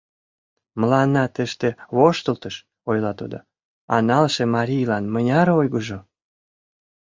— Мыланна тыште воштылтыш, — ойла тудо, — а налше марийлан мыняр ойгыжо!